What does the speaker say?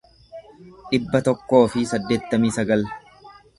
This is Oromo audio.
dhibba tokkoo fi saddeettamii sagal